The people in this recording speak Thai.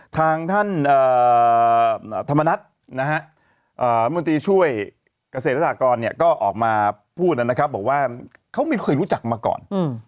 ทางท่านธรรมนัฏมช่วยเกษตรศาสตร์กรก็ออกมาพูดว่าเขาไม่เคยรู้จักมาก่อน